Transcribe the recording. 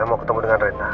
mau ketemu dengan rena